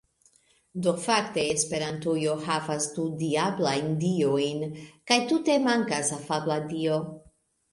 Do fakte esperantujo havas du diablajn diojn kaj tute mankas afabla dio